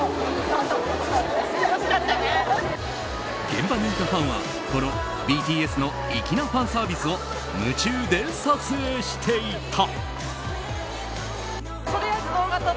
現場にいたファンはこのＢＴＳの粋なファンサービスを夢中で撮影していた。